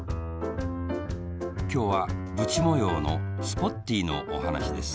きょうはブチもようのスポッティーのおはなしです